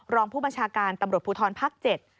รองผู้บัญชาการตำรวจภูทรภาค๗